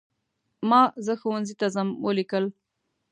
ما "زه ښوونځي ته ځم" ولیکل.